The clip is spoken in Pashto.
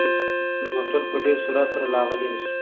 موټر په ډېر سرعت سره له هغه لرې شو.